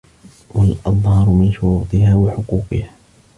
وَالْأَظْهَرَ مِنْ شُرُوطِهَا وَحُقُوقِهَا